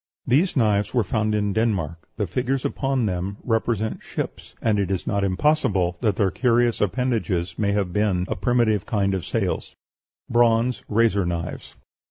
These knives were found in Denmark. The figures upon them represent ships, and it is not impossible that their curious appendages may have been a primitive kind of sails. BRONZE RAZOR KNIVES.